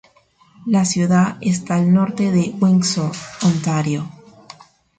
La ciudad está al norte de Windsor, Ontario.